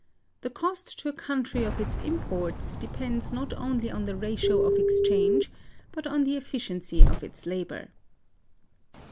The cost to a country of its imports depends not only on the ratio of exchange, but on the efficiency of its labor.